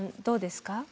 どうですか？